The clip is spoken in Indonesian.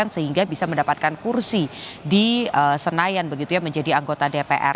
sehingga bisa mendapatkan kursi di senayan begitu ya menjadi anggota dpr